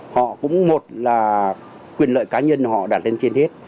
họ cũng một là quyền lợi cá nhân họ đạt lên trên hết